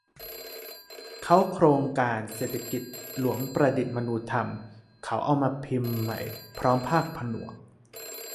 เค้าโครงการเศรษฐกิจ หลวงประดิษฐ์มนูธรรม - เขาเอามาพิมพ์ใหม่พร้อมภาคผนวก